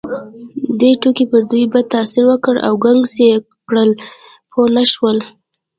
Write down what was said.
دې ټوکې پر دوی بد تاثیر وکړ او ګنګس یې کړل، پوه نه شول.